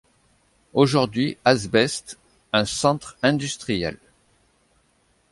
Aujourd'hui Asbest un centre industriel.